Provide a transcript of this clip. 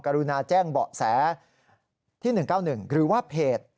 รุณาแจ้งเบาะแสที่๑๙๑หรือว่าเพจ